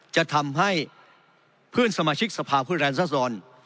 จะทำให้เพื่อนสมาชิกสภาพผู้แทนรัศดร